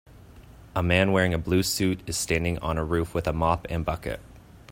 A man wearing a blue suit is standing on a roof with a mop and bucket.